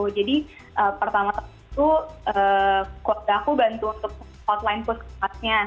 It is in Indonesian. pertama tama itu keluarga aku bantu untuk hotline puskesmasnya